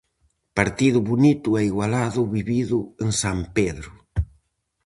Partido bonito e igualado o vivido en San Pedro.